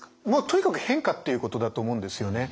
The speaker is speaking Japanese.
とにかく変化っていうことだと思うんですよね。